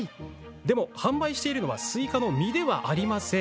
でも、販売しているのはスイカの実ではありません。